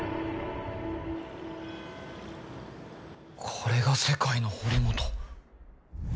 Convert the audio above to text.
これが世界の堀本？